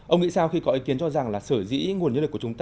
ông nghĩ sao khi có ý kiến cho rằng là sở dĩ nguồn nhân lực của chúng ta